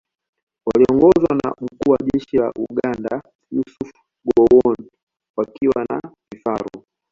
Waliongozwa na Mkuu wa Jeshi la Uganda Yusuf Gowon wakiwa na vifaru